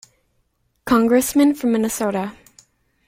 Congressman from Minnesota.